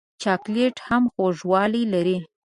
چاکلېټ هم خوږوالی لري.